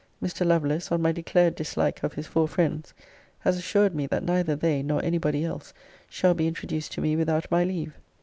Mr. Lovelace, on my declared dislike of his four friends, has assured me that neither they nor any body else shall be introduced to me without my leave.'